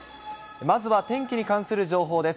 まずは天気に関する情報です。